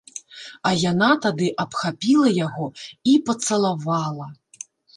А яна тады абхапіла яго і пацалавала.